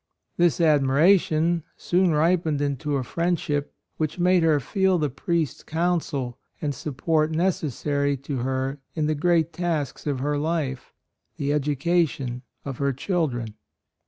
This ad miration soon ripened into a friendship which made her feel the priest's counsel and support necessary to her in the great task of her life — the education of her children.